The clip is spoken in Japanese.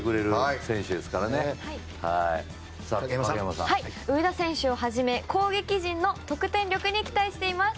私は上田選手をはじめ攻撃陣の得点力に期待します。